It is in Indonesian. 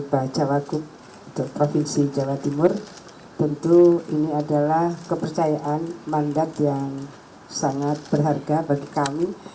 bacawagup untuk provinsi jawa timur tentu ini adalah kepercayaan mandat yang sangat berharga bagi kami